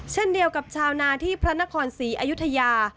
เช่นเดียวกับชาวนาที่พระนครศรีอยุธยา